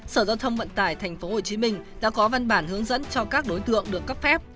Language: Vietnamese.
sở giao thông vận tải tp hcm đã có văn bản hướng dẫn cho các đối tượng được cấp phép